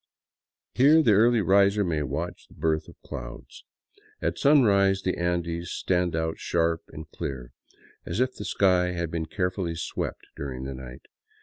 Here the early riser may watch the birth of clouds. At sunrise the Andes stand out sharp and clear, as if the sky had been carefully swept during the night.